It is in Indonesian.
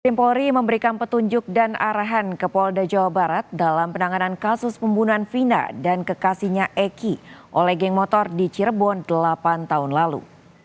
tim polri memberikan petunjuk dan arahan ke polda jawa barat dalam penanganan kasus pembunuhan vina dan kekasihnya eki oleh geng motor di cirebon delapan tahun lalu